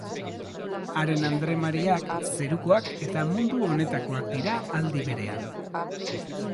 Haren Andre Mariak zerukoak eta mundu honetakoak dira aldi berean.